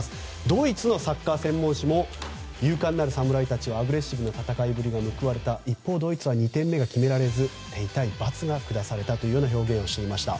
ドイツのサッカー専門誌も勇敢なるサムライたちはアグレッシブな戦いぶりが報われた一方ドイツは２点目が決められず手痛い罰が下されたというような表現をしていました。